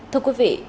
thưa quý vị